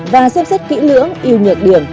và xếp xét kỹ lưỡng yêu nhược điểm